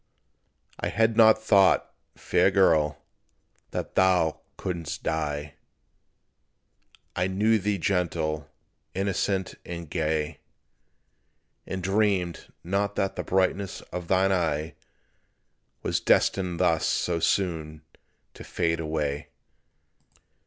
I had not thought, fair girl, that thou couldst die; I knew thee gentle, innocent and gay; And dreamed not that the brightness of thine eye, Was destined thus so soon to fade away.